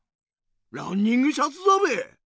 ランニングシャツだべ！